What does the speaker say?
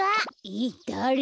えっだれ？